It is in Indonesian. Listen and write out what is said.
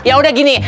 ya udah gini